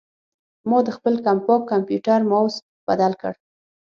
ما د خپل کمپاک کمپیوټر ماؤس بدل کړ.